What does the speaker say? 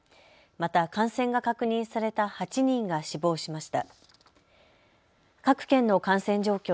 また感染が確認された８人が死亡しました。